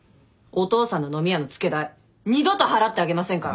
お父さんの飲み屋の付け代二度と払ってあげませんから！